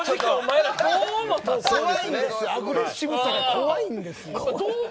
アグレッシブさが怖いんですよ。